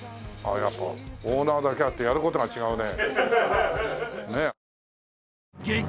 やっぱりオーナーだけあってやる事が違うね。